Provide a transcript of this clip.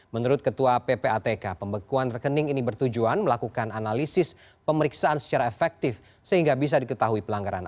menurut ketua ppatk pembekuan rekening ini bertujuan melakukan analisis pemeriksaan secara efektif sehingga bisa diketahui pelanggaran